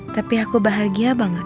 tapi aku bahagia banget